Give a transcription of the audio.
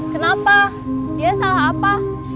kenapa dia salah apa